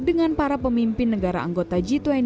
dengan para pemimpin negara anggota g dua puluh